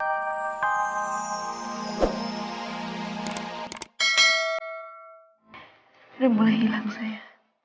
udah mulai hilang saya